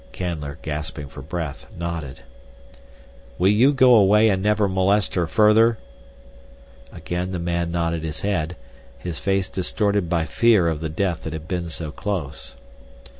Canler, gasping for breath, nodded. "Will you go away and never molest her further?" Again the man nodded his head, his face distorted by fear of the death that had been so close.